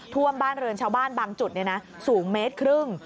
ท่วมบ้านเรือนชาวบ้านบางจุดสูงเมตรครึ่ง